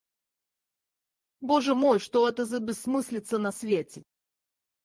Боже мой, что это за бессмыслица на свете!